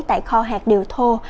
tại kho hạt điều thô